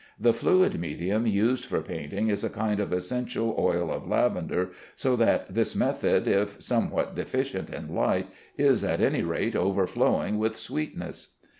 The fluid medium used for painting is a kind of essential oil of lavender, so that this method, if somewhat deficient in light, is at any rate overflowing with sweetness.